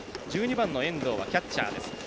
１２番の遠藤はキャッチャーです。